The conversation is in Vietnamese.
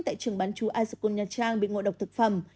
tại trường bán chú ascon nha trang bị ngộ độc thực phẩm